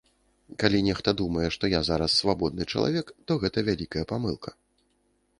Калі нехта думае, што я зараз свабодны чалавек, то гэта вялікая памылка.